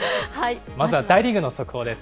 まずは大リーグの速報です。